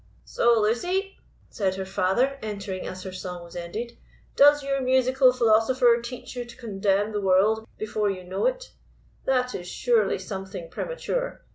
"So, Lucy," said her father, entering as her song was ended, "does your musical philosopher teach you to contemn the world before you know it? That is surely something premature.